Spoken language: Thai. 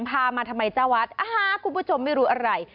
มาทำไมจ้าวัดคุณผู้ชมไม่รู้อะไร